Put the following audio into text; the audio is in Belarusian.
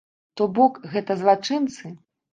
То бок, гэта злачынцы.